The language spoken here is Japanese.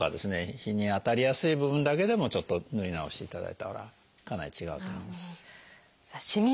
日に当たりやすい部分だけでもちょっと塗り直していただいたらかなり違うと思います。